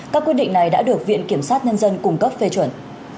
các quyết định này đã được viện kiểm sát nhân dân cung cấp phê chuẩn